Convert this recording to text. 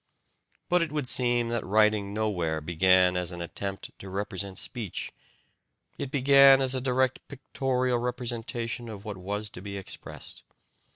But it would seem that writing nowhere began as an attempt to represent speech it began as a direct pictorial representation of what was to be expressed.